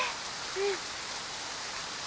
うん。